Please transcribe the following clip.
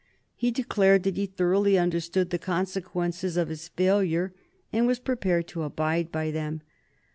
He declared that he thoroughly understood the consequences of his failure, and was prepared to abide by them.